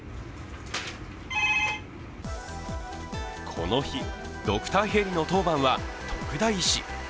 この日、ドクターヘリの当番は徳田医師。